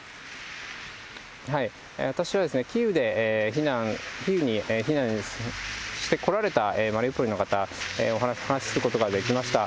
私はキーウに避難してこられたマリウポリの方、お話することができました。